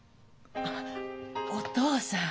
あっお父さん。